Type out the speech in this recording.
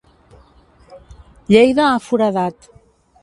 Lleida ha foradat.